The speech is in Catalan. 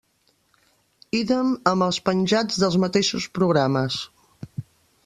Ídem amb els penjats pels mateixos programes.